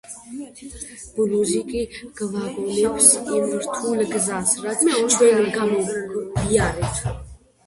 ბლუზი კი გვაგონებს იმ რთულ გზას რაც ჩვენ გამოვიარეთ.